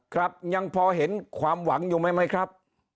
ครับยังพอเห็นความหวังอยู่ไหมครับ